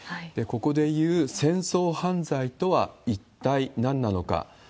ここでいう戦争犯罪とは一体何なのか。